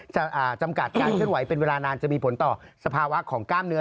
จำกัดการเคลื่อนไหวเป็นเวลานานจะมีผลต่อสภาวะของกล้ามเนื้อ